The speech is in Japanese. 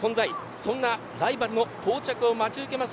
そんなライバルの到着を待ち受けます。